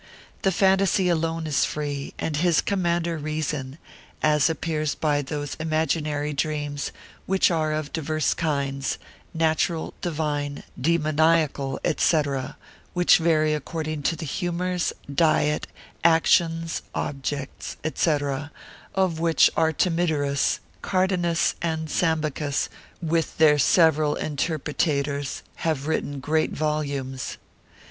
The phantasy alone is free, and his commander reason: as appears by those imaginary dreams, which are of divers kinds, natural, divine, demoniacal, &c., which vary according to humours, diet, actions, objects, &c., of which Artemidorus, Cardanus, and Sambucus, with their several interpretators, have written great volumes.